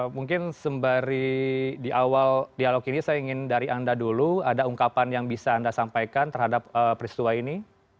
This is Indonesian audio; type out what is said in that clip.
mungkin sembari di awal dialog ini saya ingin dari anda dulu ada ungkapan yang bisa anda sampaikan terhadap peristiwa ini